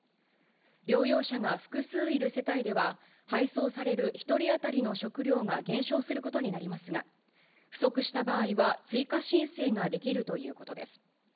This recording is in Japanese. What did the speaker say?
療養者が複数いる世帯では、配送される１人当たりの食料が減少することになりますが、不足した場合は追加申請ができるということです。